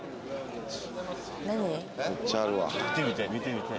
見てみて見てみて。